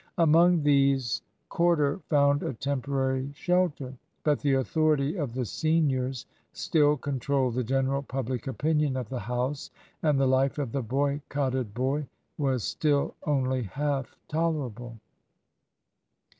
Among these Corder found a temporary shelter. But the authority of the seniors still controlled the general public opinion of the house, and the life of the boycotted boy was still only half tolerable.